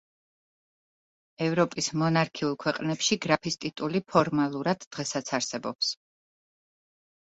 ევროპის მონარქიულ ქვეყნებში გრაფის ტიტული ფორმალურად დღესაც არსებობს.